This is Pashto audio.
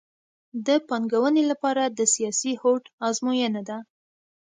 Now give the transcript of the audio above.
د پانګونې لپاره د سیاسي هوډ ازموینه ده